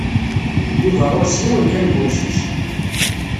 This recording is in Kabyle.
Yuba ɣur-s yiwen kan n umcic.